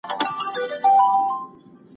زده کړه رؤڼا ده.